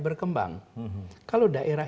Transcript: berkembang kalau daerah